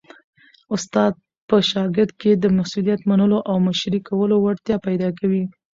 استاد په شاګرد کي د مسؤلیت منلو او مشرۍ کولو وړتیا پیدا کوي.